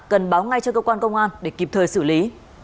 cần báo ngay cho cơ quan công an để kịp thời xử lý